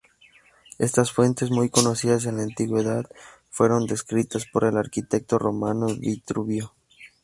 Estas fuentes, muy conocidas en la Antigüedad, fueron descritas por el arquitecto romano Vitruvio.